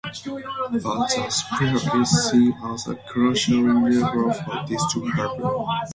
But the sphere is seen as a crucial enabler for this to happen.